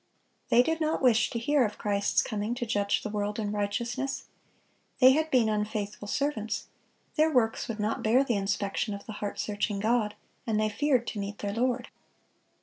They did not wish to hear of Christ's coming to judge the world in righteousness. They had been unfaithful servants, their works would not bear the inspection of the heart searching God, and they feared to meet their Lord.